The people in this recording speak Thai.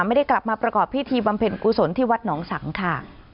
ไม่ได้กลับมาประกอบพิธีบำเพ็ญกุศลที่วัดหนองสังค่ะ